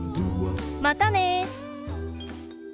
またね！